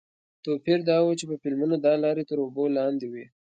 توپیر دا و چې په فلمونو کې دا لارې تر اوبو لاندې وې.